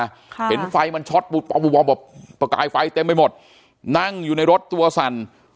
ค่ะเห็นไฟมันช็อตปุ๊บปุ๊บปุ๊บประกายไฟเต็มไปหมดนั่งอยู่ในรถตัวสั่น